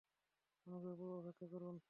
অনুগ্রহপূর্বক অপেক্ষা করুন।